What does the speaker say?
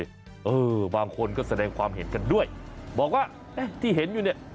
เออบางคนก็แสดงความเห็นกันด้วยบอกว่าเอ๊ะที่เห็นอยู่เนี่ย